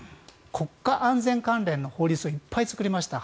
国家安全関連の法律をいっぱい作りました